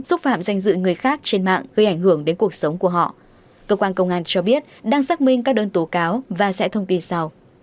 xúc phạm danh dự người khác trên mạng gây ảnh hưởng đến cuộc sống của họ cơ quan công an cho biết đang xác minh các đơn tố cáo và sẽ thông tin sau